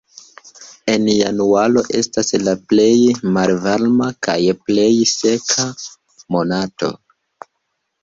En januaro estas la plej malvarma kaj plej seka monato.